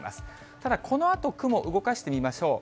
ただこのあと雲、動かしてみましょう。